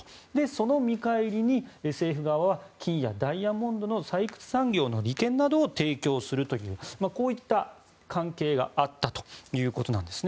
その見返りに、政府側は金やダイヤモンドの採掘産業の利権などを提供するという関係があったということです。